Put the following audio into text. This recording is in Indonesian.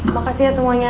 makasih ya semuanya